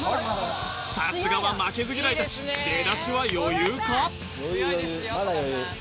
さすがは負けず嫌い達出だしは余裕か？